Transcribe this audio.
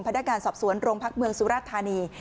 พนักงานสอบสวนโรงพักเมืองสุราธานี